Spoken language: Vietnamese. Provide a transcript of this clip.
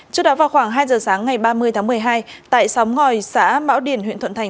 trước đó vào khoảng hai giờ sáng ngày ba mươi tháng một mươi hai tại xóm ngòi xã mão điền huyện thuận thành